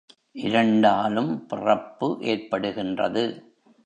இரண்டாலும் பிறப்பு ஏற்படுகின்றது.